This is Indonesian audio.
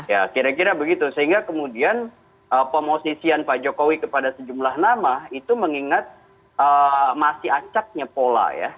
ya kira kira begitu sehingga kemudian pemosisian pak jokowi kepada sejumlah nama itu mengingat masih acaknya pola ya